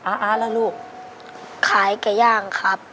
อาแล้วลูกขายไก่ย่างครับ